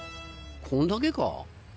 こんだけか？